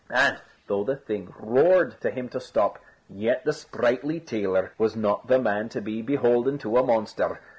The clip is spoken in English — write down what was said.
And though the thing roared to him to stop, yet the sprightly tailor was not the man to be beholden to a monster.